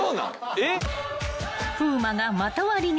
えっ？